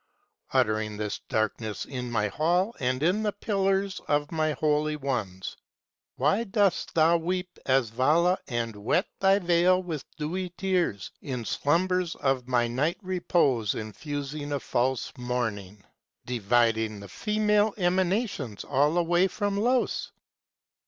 255 Uttering this darkness in my halls in the pillars of my Holy Ones, Why dost thou weep as Vala and wet thy veil with dewy tears In slumbers of my night repose infusing a false morning, Dividing the female emanations all away from Los ?